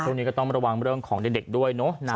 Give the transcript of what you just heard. ช่วงนี้ก็ต้องระวังเรื่องของเด็กด้วยเนอะ